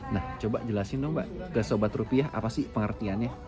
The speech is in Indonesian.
nah coba jelasin dong mbak ke sobat rupiah apa sih pengertiannya